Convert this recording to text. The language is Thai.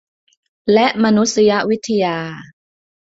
และมานุษยวิทยา